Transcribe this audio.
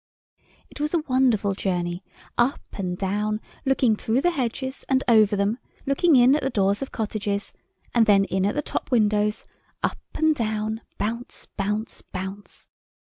It was a wonderful journey—up and down, looking through the hedges and over them, looking in at the doors of cottages, and then in at the top windows, up and down—bounce—bounce—bounce.